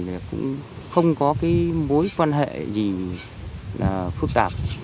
ông này cũng không có mối quan hệ gì phức tạp